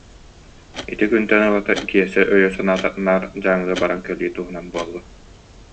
Ити күнтэн ыла Киэсэ өйө-санаата наар Дьааҥыга баран кэлии туһунан буолла